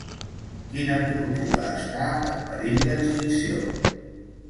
Quina tortuga està en perill d'extinció?